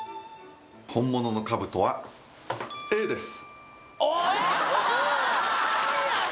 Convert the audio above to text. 本物の兜はＡです